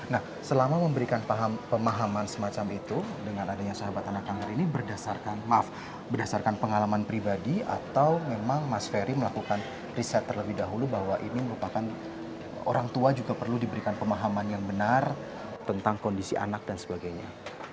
nah selama memberikan pemahaman semacam itu dengan adanya sahabat anak kanker ini berdasarkan maaf berdasarkan pengalaman pribadi atau memang mas ferry melakukan riset terlebih dahulu bahwa ini merupakan orang tua juga perlu diberikan pemahaman yang benar tentang kondisi anak dan sebagainya